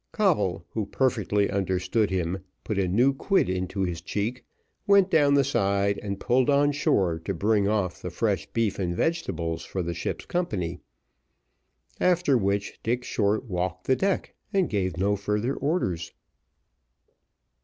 Coble, who perfectly understood him, put a new quid into his cheek, went down the side, and pulled on shore to bring off the fresh beef and vegetables for the ship's company; after which Dick Short walked the deck and gave no further orders.